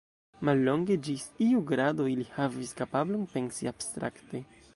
Mallonge, ĝis iu grado ili havis kapablon pensi abstrakte.